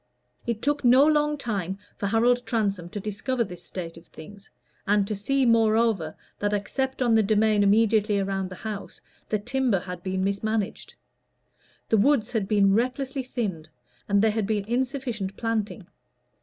It took no long time for Harold Transome to discover this state of things, and to see, moreover, that, except on the demesne immediately around the house, the timber had been mismanaged. The woods had been recklessly thinned, and there had been insufficient planting.